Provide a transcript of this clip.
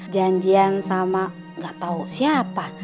janjian sama gak tau siapa